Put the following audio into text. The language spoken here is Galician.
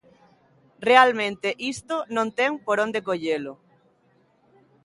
Realmente isto non ten por onde collelo.